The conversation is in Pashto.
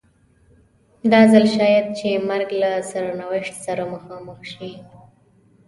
دا ځل شاید چې مرګ له سرنوشت سره مخامخ کړي.